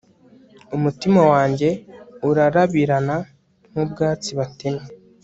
umutima wanjye urarabirana nk'ubwatsi batemye